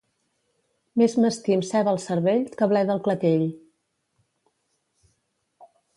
Més m'estim ceba al cervell que bleda al clatell.